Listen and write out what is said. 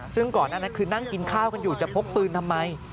ซึ่งก่อนนั้นคือนั่งกินข้าวกันอยู่จะพกปืนทำไม